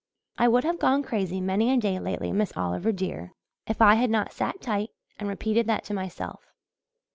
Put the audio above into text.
I would have gone crazy many a day lately, Miss Oliver, dear, if I had not sat tight and repeated that to myself.